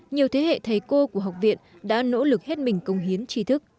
nhiều thế hệ thầy cô của học viện đã nỗ lực hết mình công hiến trí thức